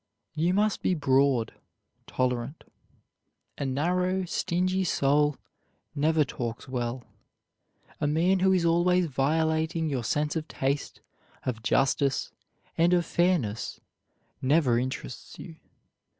You must be broad, tolerant. A narrow stingy soul never talks well. A man who is always violating your sense of taste, of justice, and of fairness, never interests you.